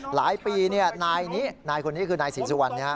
หลายปีนายนี้นายคนนี้คือนายศรีสุวรรณ